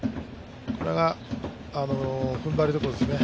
これが踏ん張りどころですね。